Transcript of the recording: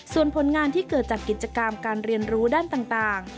ส่วนผลงานที่เกิดจากกิจกรรมการเรียนรู้ด้านต่าง